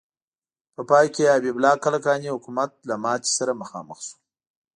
په پای کې حبیب الله کلکاني حکومت له ماتې سره مخامخ شو.